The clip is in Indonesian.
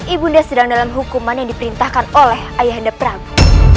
ibunda sedang dalam hukuman yang diperintahkan oleh ayah anda prabu